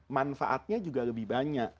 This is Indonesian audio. manfaatnya juga lebih banyak